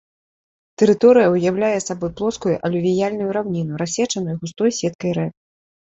Тэрыторыя ўяўляе сабой плоскую алювіяльную раўніну, рассечаную густой сеткай рэк.